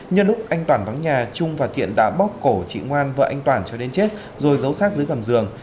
nhân lúc anh toàn vắng nhà trung và thiện đã bóc cổ chị ngoan vợ anh toàn cho đến chết rồi giấu sát dưới gầm giường